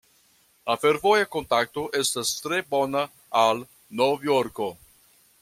La fervoja kontakto estas tre bona al Nov-Jorko.